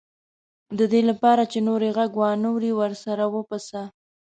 د دې لپاره چې نور یې غږ وانه وري ورسره وپسه.